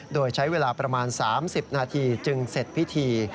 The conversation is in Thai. โดยใช้เวลาประมาณ๓๐นาทีจึงเสร็จพิธี